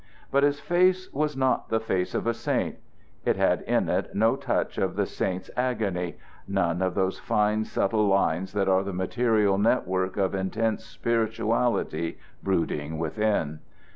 But his face was not the face of a saint. It had in it no touch of the saint's agony none of those fine subtle lines that are the material net work of intense spirituality brooding within.